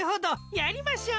やりましょう。